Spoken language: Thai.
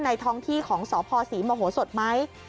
ท้องที่ของสพศรีมโหสดไหม